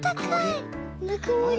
ぬくもり。